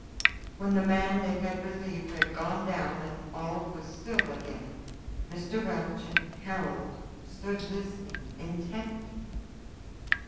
When the man they had relieved had gone down and all was still again, Mr. Welch and Harold stood listening intently.